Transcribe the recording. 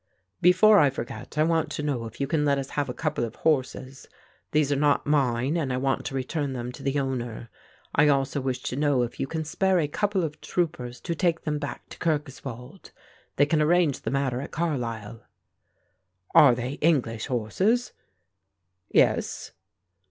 "Before I forget, I want to know if you can let us have a couple of horses; these are not mine and I want to return them to the owner. I also wish to know if you can spare a couple of troopers to take them back to Kirkoswald. They can arrange the matter at Carlisle." "Are they English horses?" "Yes."